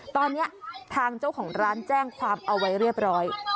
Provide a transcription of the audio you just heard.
ตอนนี้ทางเจ้าของร้านแจ้งความเอาไว้เรียบร้อย